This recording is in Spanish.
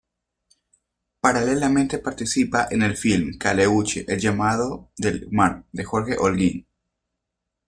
Paralelamente participa en el film "Caleuche: El llamado del mar" de Jorge Olguín.